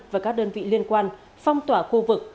và các đơn vị liên quan phong tỏa khu vực